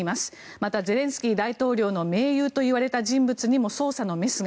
また、ゼレンスキー大統領の盟友といわれた人物にも捜査のメスが。